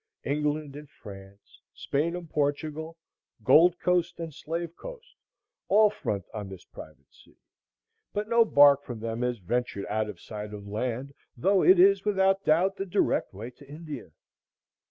England and France, Spain and Portugal, Gold Coast and Slave Coast, all front on this private sea; but no bark from them has ventured out of sight of land, though it is without doubt the direct way to India.